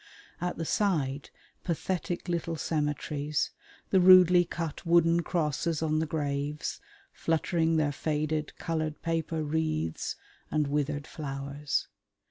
At the side pathetic little cemeteries, the rudely cut wooden crosses on the graves fluttering their faded coloured paper wreaths and withered flowers.